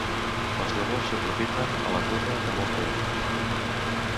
Les llavors s'aprofiten a la cuina de molts països.